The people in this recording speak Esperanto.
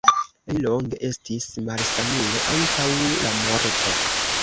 Li longe estis malsanulo antaŭ la morto.